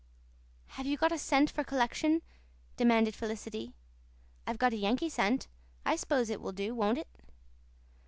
"Have you got a cent for collection?" demanded Felicity. "I've got a Yankee cent. I s'pose it will do, won't it?"